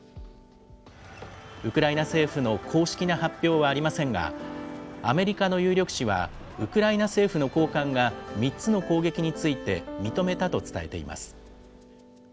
ウクライナ政府の公式な発表はありませんが、アメリカの有力紙は、ウクライナ政府の高官が３つの攻撃について認めたと伝えています。